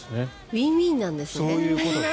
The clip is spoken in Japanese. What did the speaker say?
ウィンウィンなんですね。